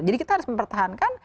jadi kita harus mempertahankan